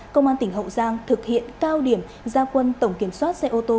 công an tỉnh hậu giang thực hiện cao điểm gia quân tổng kiểm soát xe ô tô